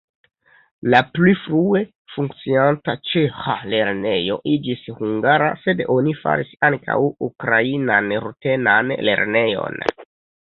La pli frue funkcianta ĉeĥa lernejo iĝis hungara, sed oni faris ankaŭ ukrainan-rutenan lernejon.